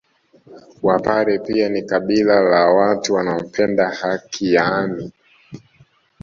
Wapare pia ni kabila la watu wanaopenda haki yaani